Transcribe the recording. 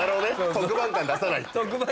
特番感出さない。